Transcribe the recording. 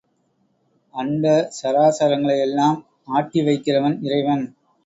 அண்ட சராசரங்களை எல்லாம் ஆட்டி வைக்கிறவன் இறைவன்.